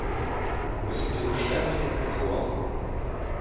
Ми сиділи в штабі й міркували.